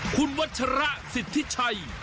คุณวัชระสิทธิชัย